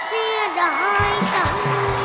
เสียดายกัน